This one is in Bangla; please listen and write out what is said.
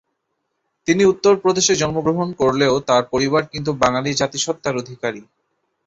তিনি উত্তর প্রদেশে জন্মগ্রহণ করলেও তার পরিবার কিন্তু বাঙালি জাতিসত্তার অধিকারী।